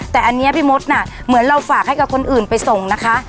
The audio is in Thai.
แต่อันนี้พี่มดน่ะเหมือนเราฝากให้กับคนอื่นไปส่งนะคะ